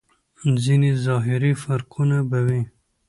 ځينې ظاهري فرقونه به وي.